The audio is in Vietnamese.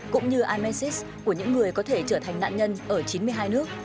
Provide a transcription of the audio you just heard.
cũng như imesis của những người có thể trở thành nạn nhân ở chín mươi hai nước